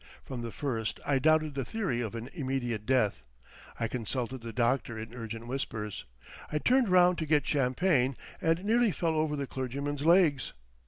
From the first I doubted the theory of an immediate death. I consulted the doctor in urgent whispers. I turned round to get champagne, and nearly fell over the clergyman's legs.